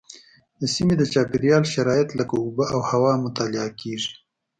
د سیمې د چاپیریال شرایط لکه اوبه او هوا مطالعه کېږي.